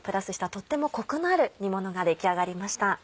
とってもコクのある煮ものが出来上がりました。